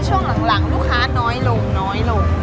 ช่วงหลังลูกค้าน้อยลง